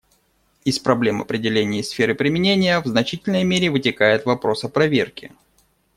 Из проблем определения и сферы применения в значительной мере вытекает вопрос о проверке.